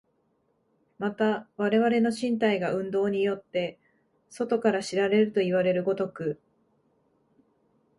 また我々の身体が運動によって外から知られるといわれる如く、